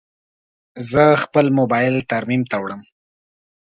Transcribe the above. زه خپل موبایل ترمیم ته وړم.